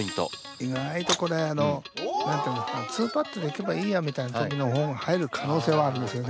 意外とこれあのなんていうんですか２パットでいけばいいやみたいなときの方が入る可能性はあるんですよね。